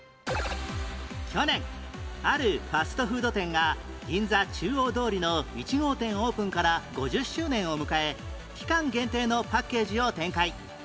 去年あるファストフード店が銀座中央通りの１号店オープンから５０周年を迎え期間限定のパッケージを展開